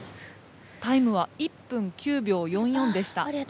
タイムは１分９秒４４でした。